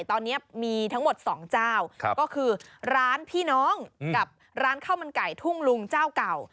ตอนนี้มีทั้งหมด๒เจ้าก็คือร้านพี่น้องกับร้านข้าวมันไก่ทุ่งลุงเจ้าเก่า